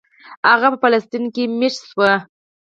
هغه په فلسطین کې مېشت شو.